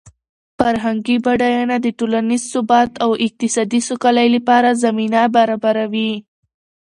فرهنګي بډاینه د ټولنیز ثبات او د اقتصادي سوکالۍ لپاره زمینه برابروي.